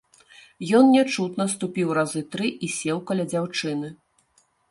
Ён нячутна ступіў разы тры і сеў каля дзяўчыны.